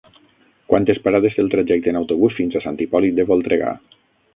Quantes parades té el trajecte en autobús fins a Sant Hipòlit de Voltregà?